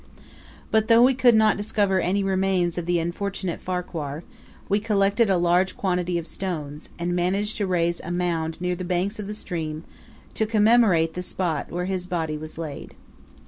But though we could not discover any remains of the unfortunate Farquhar, we collected a large quantity of stones, and managed to raise a mound near the banks of the stream to commemorate the spot where his body was laid.